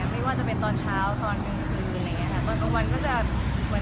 ไม่ว่าจะเป็นตอนเช้ามึงคืน